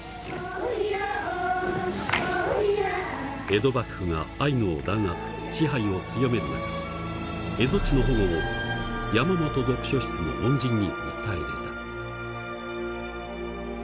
江戸幕府がアイヌを弾圧支配を強める中蝦夷地の保護を山本読書室の門人に訴え出た。